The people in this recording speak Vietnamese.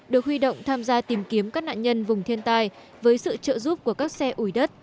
được huy động tham gia tìm kiếm các nạn nhân vùng thiên tai với sự trợ giúp của các xe ủi đất